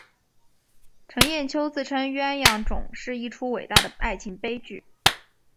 程砚秋自称鸳鸯冢是一出伟大的爱情悲剧。